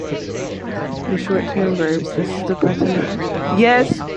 In short stem verbs, the is present in both the present and preterite.